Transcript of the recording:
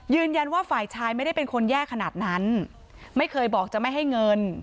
ว่าฝ่ายชายไม่ได้เป็นคนแย่ขนาดนั้นไม่เคยบอกจะไม่ให้เงิน